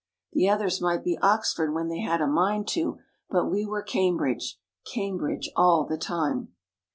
The others might be Oxford when they had a mind to, but we were Cambridge Cambridge all the time.